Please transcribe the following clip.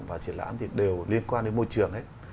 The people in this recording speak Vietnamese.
và triển lãm thì đều liên quan đến môi trường hết